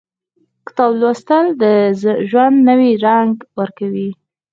• کتاب لوستل، د ژوند نوی رنګ ورکوي.